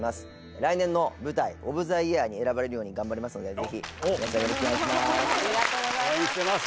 来年の舞台オブ・ザ・イヤーに選ばれるように頑張りますのでぜひよろしくお願いします。